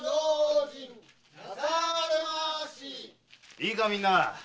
いいかみんな！